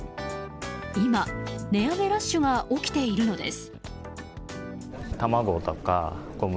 今、値上げラッシュが起きているのです。